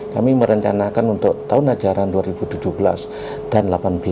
kami merencanakan untuk tahun ajaran dua ribu tujuh belas dan delapan belas